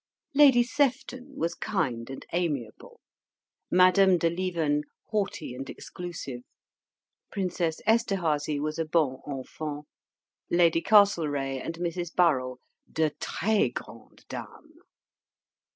Lady Sefton was kind and amiable, Madame de Lieven haughty and exclusive, Princess Esterhazy was a bon enfant, Lady Castlereagh and Mrs. Burrell de tres grandes dames.